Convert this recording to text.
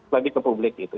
lebih ke publik gitu